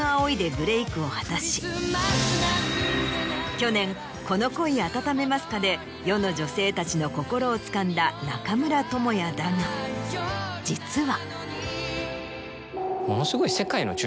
去年『この恋あたためますか』で世の女性たちの心をつかんだ中村倫也だが実は。